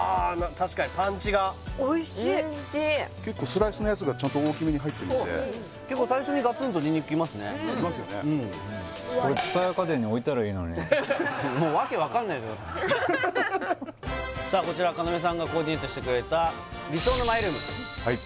確かにパンチがおいしい結構スライスのやつがちゃんと大きめに入ってるんで結構最初にガツンとにんにくきますねこれもうわけ分かんないけどさあこちら要さんがコーディネートしてくれた理想のマイルームはい